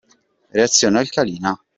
Reazione alcalina.